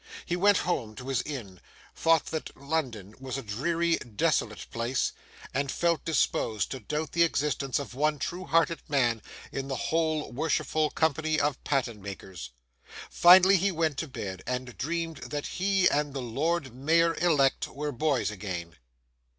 He went home to his inn, thought that London was a dreary, desolate place, and felt disposed to doubt the existence of one true hearted man in the whole worshipful Company of Patten makers. Finally, he went to bed, and dreamed that he and the Lord Mayor elect were boys again.